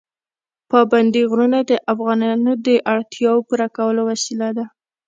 پابندي غرونه د افغانانو د اړتیاوو پوره کولو وسیله ده.